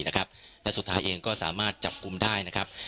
และสุดท้ายเองก็สามารถจับกลุ่มได้นะครับ